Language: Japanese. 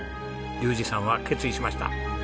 竜士さんは決意しました。